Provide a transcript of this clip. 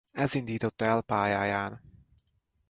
Ez indította el pályáján.